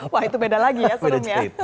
wah itu beda lagi ya kurungnya